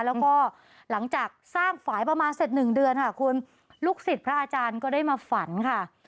แล้วก็หลังจากสร้างฝ่ายประมาณเสร็จหนึ่งเดือนค่ะคุณลูกศิษย์พระอาจารย์ก็ได้มาฝันค่ะ